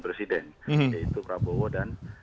presiden yaitu prabowo dan